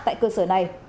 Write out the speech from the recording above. tại cơ sở này